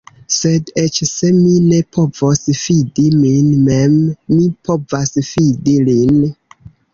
Sed, eĉ se mi ne povos fidi min mem, mi povas fidi lin.